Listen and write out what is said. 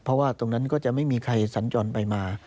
เพราะว่าตรงนั้นก็จะไม่มีใครสัญจรไปมา